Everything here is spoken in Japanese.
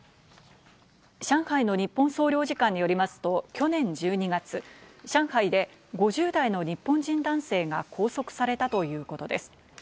上海の日本総領事館によりますと、去年１２月、上海で５０代の日本人男性が拘束されたということです。